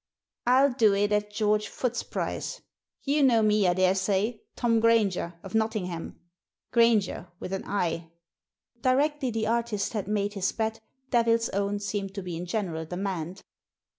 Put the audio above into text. " I'll do it at George Foote's price. You know me, I daresay, Tom Grainger, of Nottingham — Grainger with an 'i.'" Directly the artist had made his bet Devil's Own seemed to be in general demand.